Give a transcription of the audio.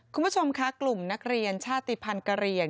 คุณผู้ชมค่ะกลุ่มนักเรียนชาติภัณฑ์กะเหลี่ยง